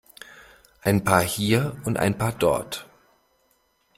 Ein paar hier und ein paar dort.